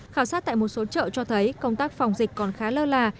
khảo sát tại một số chợ cho thấy công tác phòng dịch còn khá lơ là